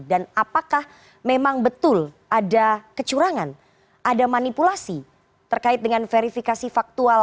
dan apakah memang betul ada kecurangan ada manipulasi terkait dengan verifikasi faktual pemilu dua ribu dua puluh empat